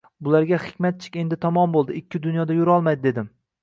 Bularga Hikmatchik endi tamom boʻldi, ikki dunyoda yurolmaydi, dedim.